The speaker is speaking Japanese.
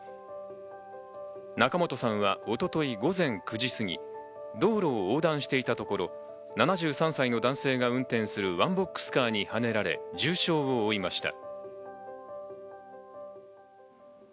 仲本さんは一昨日、午前９時過ぎ、道路を横断していたところを７３歳の男性が運転するワンボックスカーにはねられ、重傷を負いました。